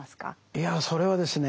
いやそれはですね